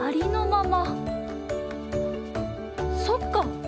そっか！